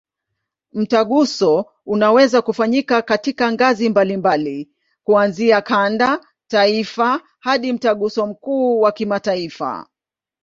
Mtaguso unaweza kufanyika katika ngazi mbalimbali, kuanzia kanda, taifa hadi Mtaguso mkuu wa kimataifa.